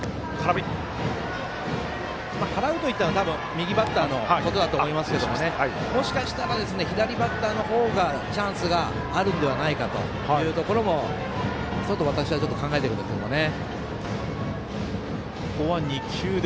払うと言ったのは右バッターのことだと思いますがもしかしたら左バッターのほうがチャンスがあるのではないかと私は考えてるんですけどね。